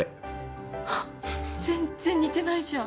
ハッ全然似てないじゃん。